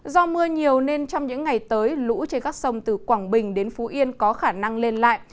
do mưa nhiều nên trong những ngày tới lũ trên các sông từ quảng bình đến phú yên có khả năng lên lại